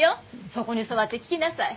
そこに座って聞きなさい。